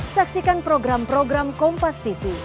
saksikan program program kompas tv